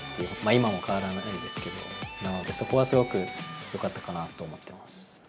今も変わらないんですけど、そこはすごくよかったかなと思ってます。